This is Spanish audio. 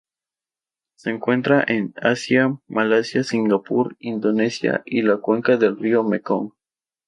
Se encuentran en Asia: Malasia, Singapur, Indonesia y la cuenca del río Mekong.